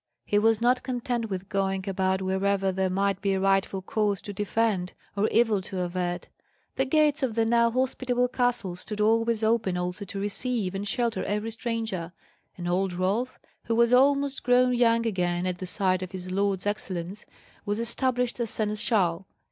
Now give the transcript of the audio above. He was not content with going about wherever there might be a rightful cause to defend or evil to avert; the gates of the now hospitable castle stood always open also to receive and shelter every stranger; and old Rolf, who was almost grown young again at the sight of his lord's excellence, was established as seneschal.